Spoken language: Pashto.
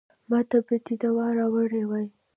ماته به دې دوا راوړې وه.